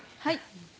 はい。